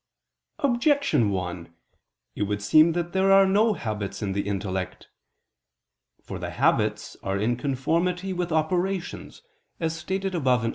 Objection 1: It would seem that there are no habits in the intellect. For habits are in conformity with operations, as stated above (A. 1).